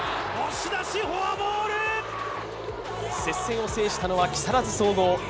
接戦を制したのは木更津総合。